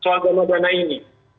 soal dana dana ini